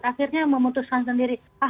akhirnya memutuskan sendiri ah